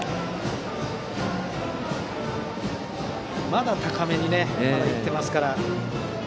まだ高めにいっていますから。